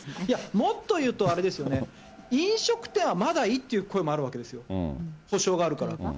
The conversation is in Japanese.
もっと言うと、あれですよね、飲食店はまだいいっていう声もあるわけですよ、補償があるから。